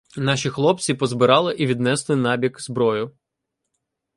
Наші хлопці позбирали і віднесли набік зброю.